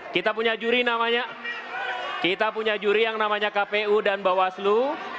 kita punya juri namanya kita punya juri yang namanya kpu dan bawaslu